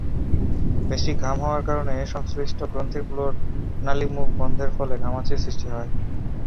বেশি ঘাম হওয়ার কারণে সংশ্লিষ্ট গ্রন্থিগুলোর নালিমুখ বন্ধের ফলে ঘামাচির সৃষ্টি হয়।